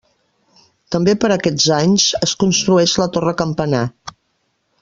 També per aquests anys es construeix la torre campanar.